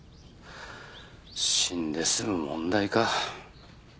死んで済む問題か。